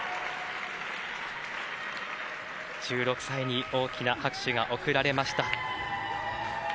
１６歳に大きな拍手が送られました。